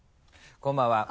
こんばんは。